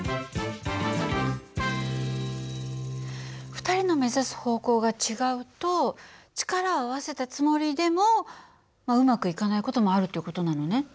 ２人の目指す方向が違うと力を合わせたつもりでもうまくいかない事もあるっていう事なのね。